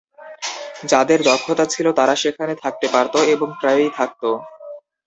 যাদের দক্ষতা ছিল তারা সেখানে থাকতে পারত - এবং প্রায়ই থাকত।